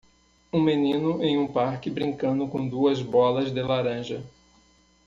Um menino em um parque brincando com duas bolas de laranja.